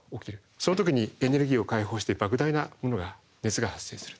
その時にエネルギーを解放してばく大なものが熱が発生する。